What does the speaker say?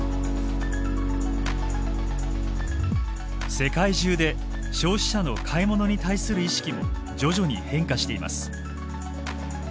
世界中で消費者の買い物に対する意識も徐々に変化しています。